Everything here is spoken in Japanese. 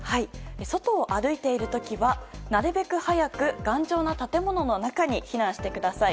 外を歩いている時はなるべく早く頑丈な建物の中に避難してください。